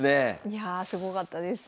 いやすごかったです。